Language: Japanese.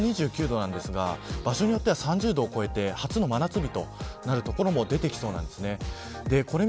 山梨県あたりは甲府で２９度ですが場所によっては３０度を超えて初の真夏日となる所も出てきそうです。